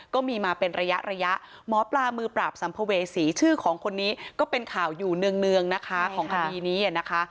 ก็มีมาเป็นระยะระยะหมอปลามือปราบสัมภเวษีชื่อของคนนี้ก็เป็นข่าวอยู่เนื่องนะคะของคดีนี้นะคะ